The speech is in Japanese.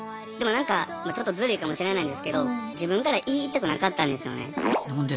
でもなんかちょっとズルいかもしれないんですけど自分から言いたくなかったんですよね。